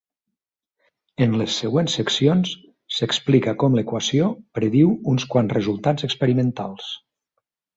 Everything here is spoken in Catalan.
En les següents seccions s'explica com l'equació prediu uns quants resultats experimentals.